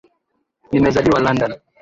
Nimezaliwa London